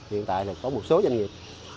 hiện tại có một số doanh nghiệp